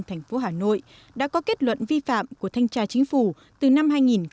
thành phố hà nội đã có kết luận vi phạm của thanh tra chính phủ từ năm hai nghìn một mươi